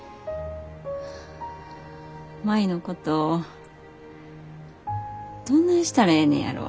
舞のことどないしたらええねやろ。